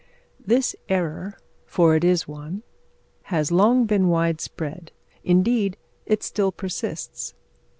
This error, for it is one, has long been wide spread indeed, it still persists.